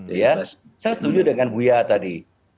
saya setuju dengan buya tadi